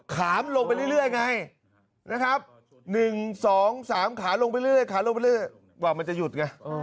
๑๒๓ขาลงไปเรื่อยขาลงไปเรื่อยหวังว่ามันจะหยุดไง